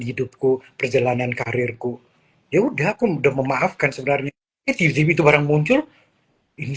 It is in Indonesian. hidupku perjalanan karirku ya udah aku udah memaafkan sebenarnya tv itu barang muncul ini